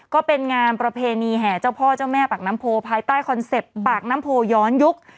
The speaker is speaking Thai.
ก็เป็นงานประเพณีแห่เจ้าพ่อเจ้าแม่ปากน้ำโพภายใต้คอนเซ็ปต์ปากน้ำโพย้อนยุค